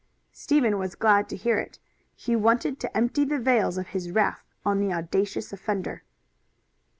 Stephen was glad to hear it. He wanted to empty the vails of his wrath on the audacious offender.